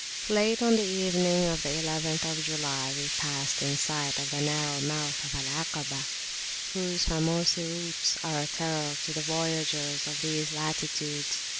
Late on the evening of the 11th July we passed in sight of the narrow mouth of Al 'Akabah, whose famosi rupes are a terror to the voyagers of these latitudes.